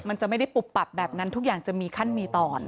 มันจะไม่ได้ปุบปับแบบนั้นทุกอย่างจะมีขั้นมีตอน